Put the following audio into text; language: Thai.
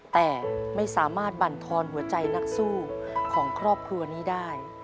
แต่ไม่สามารถบรรทอนหัวใจนักสู้ของครอบครัวนี้ได้